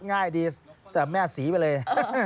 ง่ายดีเสียแม่ศรีไปเลย